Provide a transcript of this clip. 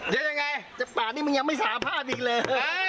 ยังยังไงป่านี่มึงยังไม่สารภาพอีกเลย